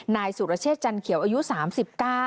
นายสุรเชษจันเขียวอายุ๓๙